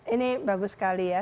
ini bagus sekali ya